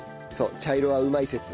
そう茶色はうまい説。